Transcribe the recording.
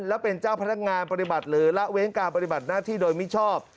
และเป็นเจ้าพนักงานปฏิบัติหรือละเว้นการปฏิบัติหน้าที่โดยมิชอบ